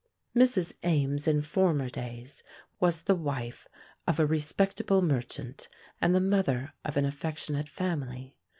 Mrs. Ames, in former days, was the wife of a respectable merchant, and the mother of an affectionate family.